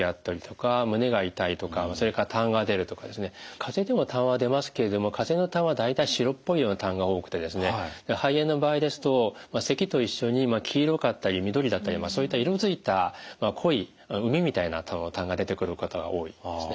かぜでもたんは出ますけれどもかぜのたんは大体白っぽいようなたんが多くて肺炎の場合ですとせきと一緒に黄色かったり緑だったりそういった色づいた濃いうみみたいなたんが出てくる方が多いですね。